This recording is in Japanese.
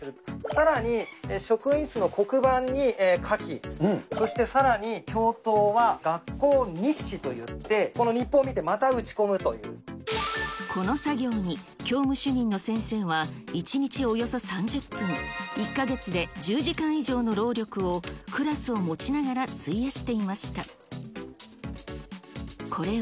さらに職員室の黒板に書き、そしてさらに教頭は学校日誌といって、この日報を見てまた打ち込この作業に、教務主任の先生は１日およそ３０分、１か月で１０時間以上の労力をクラスを持ちながら費やしていました。